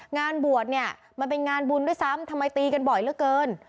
งานบวชเนี่ยมันเป็นงานบุญด้วยซ้ำทำไมตีกันบ่อยเหลือเกิน